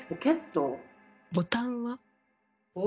ボタンは？